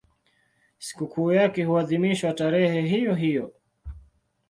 Sikukuu yake huadhimishwa tarehe hiyohiyo.